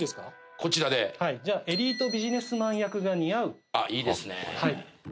こちらではいじゃあエリートビジネスマン役が似合うあっいいですね